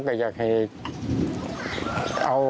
ทำโหดเกินไปอ่ะนะ